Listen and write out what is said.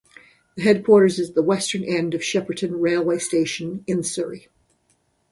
The headquarters is at the western end of Shepperton railway station in Surrey.